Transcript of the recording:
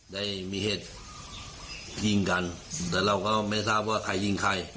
ได้มีเหตุยิงกันแต่เราก็ไม่ทราบว่าใครยิงใคร